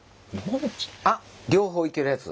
あっ両方いけるやつ？